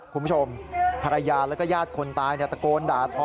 คุณผู้ผู้ผู้ชมภรรยาแล้วก็ญาติคนตายเนี่ยตะโกนด่าทอ